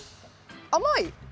甘い。